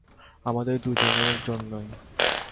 আমাদের দুজনের জন্যেই।